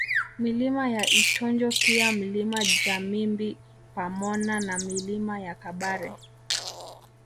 Milima ya Itonjo pia Mlima Jamimbi pamona na Milima ya Kabare